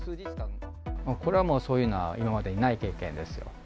これはもう、そういうのは今までにない経験ですよ。